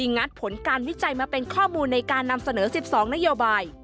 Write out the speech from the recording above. งัดผลการวิจัยมาเป็นข้อมูลในการสเนอสามน้ยบาล